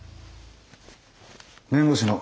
弁護士の